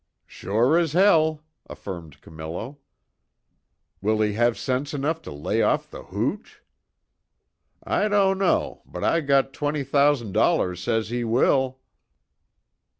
"Sure as hell!" affirmed Camillo. "Will he have sense enough to lay off the hooch?" "I don't know, but I got twenty thousan' dollars says he will."